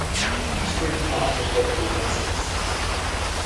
These straight paths are called geodesics.